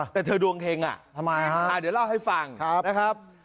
แต่เธอดวงเค้งอ่ะอ่ะเดี๋ยวเล่าให้ฟังนะครับทำไมอ่ะครับ